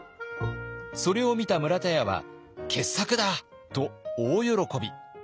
それを見た村田屋は傑作だと大喜び。